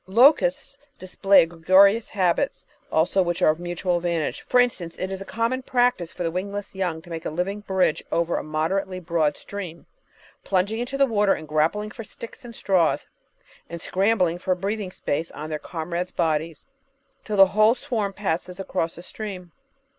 Locusts display gregarious habits also which are of mutual advantage; for instance, it is a common practice for the wingless young to make a living bridge over a moderately broad stream, plunging into the water and grappling for sticks and straws, and scrambling for a breathing space on their comrades' bodies, tiU the whole swarm passes across the stream.